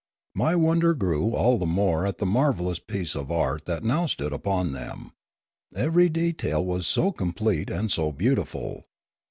My wonder grew all the more at the marvellous piece of art that now stood upon them ; every detail was so complete and so beautiful.